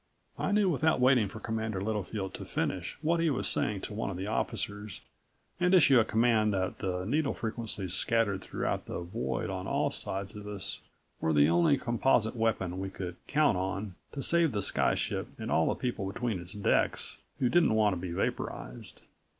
I knew without waiting for Commander Littlefield to finish what he was saying to one of the officers and issue a command that the needle frequencies scattered throughout the void on all sides of us were the only composite weapon we could count on to save the sky ship and all the people between its decks who didn't want to be vaporized.